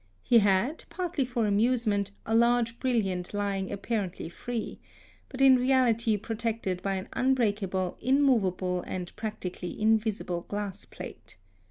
He had, partly for amusement, a large brilliant lying apparently free, but in reality protected by an unbreakable, immovable, and practically invisible glass ': =e : oe OE RA nT he Aman sie Sst plate.